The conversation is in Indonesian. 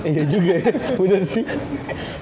iya juga ya bener sih